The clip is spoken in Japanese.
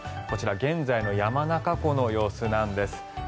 こちらは現在の山中湖の様子なんです。